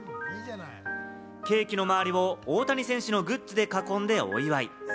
ケーキの周りを大谷選手のグッズで囲んでお祝い。